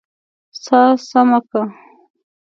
سا سمه که!